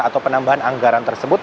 atau penambahan anggaran tersebut